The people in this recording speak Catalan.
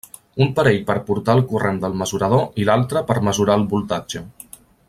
Un parell per portar el corrent del mesurador i l'altre per mesurar el voltatge.